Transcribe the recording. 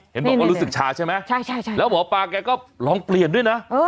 เห็นบอกว่ารู้สึกชาใช่ไหมแล้วหมอปลาแกก็ลองเปลี่ยนด้วยนะ